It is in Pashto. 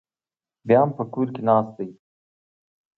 بیا هم په کور ناست دی.